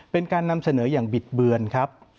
เป็นการนำเสนออย่างบิดเบือนครับ